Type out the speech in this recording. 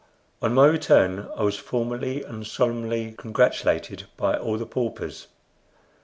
On my return I was formally and solemnly congratulated by all the paupers.